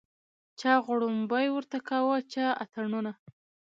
چا غړومبی ورته کاوه چا اتڼونه